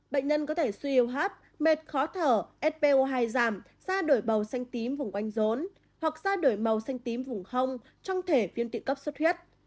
bệnh nhân có thể suy yêu hấp mệt khó thở spo hai giảm da đổi màu xanh tím vùng oanh rốn hoặc da đổi màu xanh tím vùng hông trong thể viên tụy cấp suốt huyết